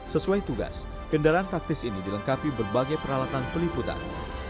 sesuai tugas kendaraan taktis ini dilengkapi berbagai peralatan peliputan